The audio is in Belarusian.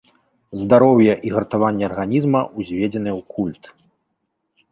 Здароўе і гартаванне арганізма ўзведзены ў культ.